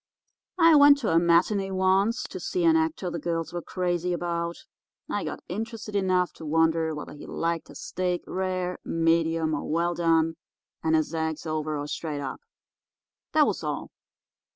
I went to a matinée once to see an actor the girls were crazy about. I got interested enough to wonder whether he liked his steak rare, medium, or well done, and his eggs over or straight up. That was all.